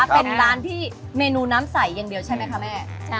เป็นร้านที่เมนูน้ำใสอย่างเดียวใช่ไหมคะแม่